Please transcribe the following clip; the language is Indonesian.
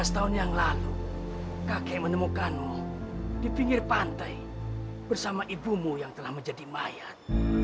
lima belas tahun yang lalu kakek menemukanmu di pinggir pantai bersama ibumu yang telah menjadi mayat